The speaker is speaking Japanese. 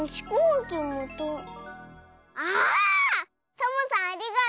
サボさんありがとう。